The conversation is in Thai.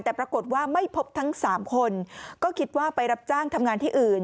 แต่ปรากฏว่าไม่พบทั้ง๓คนก็คิดว่าไปรับจ้างทำงานที่อื่น